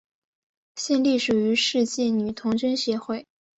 现隶属于世界女童军协会。